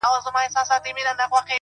ماته يې په نيمه شپه ژړلي دي;